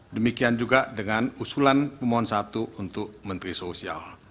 demikian juga dengan usulan pemohon satu untuk menteri sosial